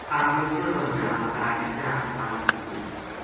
آخر چودہ دھیاڑاں کاہڈ یاہ پل مُک گئی